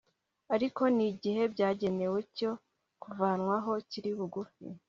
ariko n'igihe byagenewe cyo kuvanwaho kiri bugufi